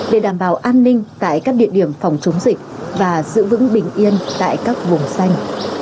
để đảm bảo an ninh tại các địa điểm phòng chống dịch và giữ vững bình yên tại các vùng xanh